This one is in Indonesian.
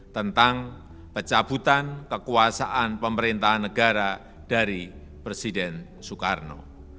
tentang pecah butan kekuasaan pemerintahan negara dari presiden soekarno